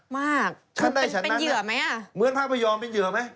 มากเป็นเหยื่อไหมอะเหมือนภาพยอมเป็นเหยื่อไหม